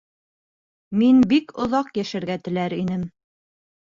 Мин бик оҙаҡ йәшәргә теләр инем.